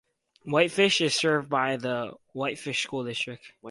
Whitefish is served by the Whitefish School District.